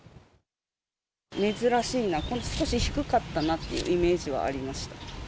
珍しいな、少し低かったなというイメージはありました。